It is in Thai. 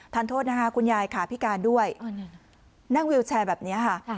โทษนะคะคุณยายขาพิการด้วยนั่งวิวแชร์แบบนี้ค่ะ